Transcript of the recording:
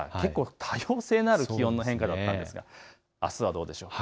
多様性のある気温の変化なんですがあすはどうでしょうか。